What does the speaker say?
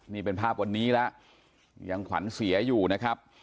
นี่เป็นภาพวันนี้แล้วยังขวัญเสียอยู่นะครับ